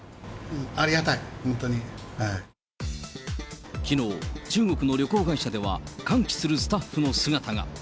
ありがたい、きのう、中国の旅行会社では、歓喜するスタッフの姿が。